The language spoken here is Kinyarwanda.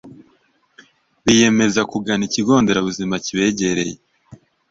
Biyemeza kugana ikigo nderabuzima kibegereye